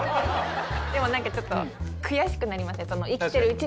でも何かちょっと悔しくなりません？